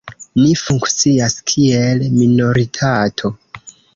Ni funkcias kiel minoritato.